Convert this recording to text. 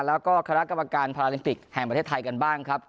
แล้วก็คณะกรรมการพาราลิมปิกแห่งประเทศไทยกันบ้างครับ